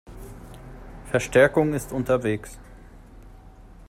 Verstärkung ist unterwegs.